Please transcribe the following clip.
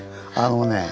あのね